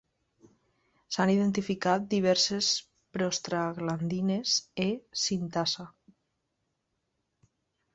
S'han identificat diverses prostaglandines E sintasa.